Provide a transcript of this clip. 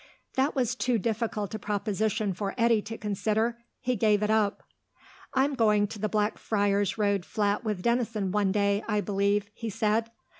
That was too difficult a proposition for Eddy to consider; he gave it up. "I'm going to the Blackfriars Road flat with Denison one day, I believe," he said.